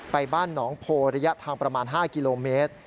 บ้านหนองโพระยะทางประมาณ๕กิโลเมตร